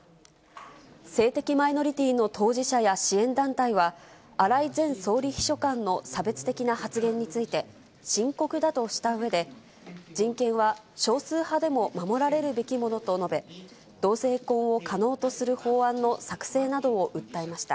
性的マイノリティーの当事者や支援団体は、荒井前総理秘書官の差別的な発言について、深刻だとしたうえで、人権は少数派でも守られるべきものと述べ、同性婚を可能とする法案の作成などを訴えました。